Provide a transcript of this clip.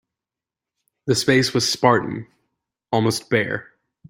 The space was spartan, almost bare.